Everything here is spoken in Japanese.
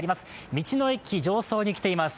道の駅常総に来ています。